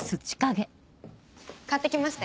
買って来ました。